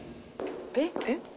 えっ？えっ？」